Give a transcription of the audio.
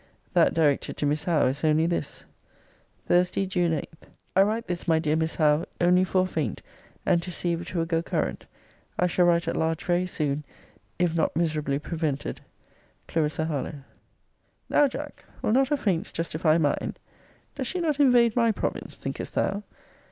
That directed to Miss Howe is only this: THURSDAY, JUNE 8. I write this, my dear Miss Howe, only for a feint, and to see if it will go current. I shall write at large very soon, if not miserably prevented!!! CL. H. Now, Jack, will not her feints justify mine! Does she not invade my province, thinkest thou?